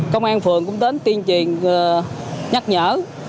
công an phường cũng đến tuyên truyền nhắc nhở